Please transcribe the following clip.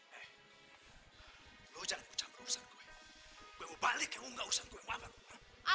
hei lo jangan ikut campur urusan gue gue mau balik ya lo nggak urusan gue maafkan gue ha